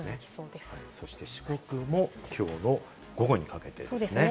四国もきょうの午後にかけてですね。